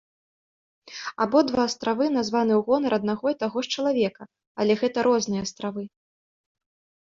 Абодва астравы названы ў гонар аднаго і таго ж чалавека, але гэта розныя астравы.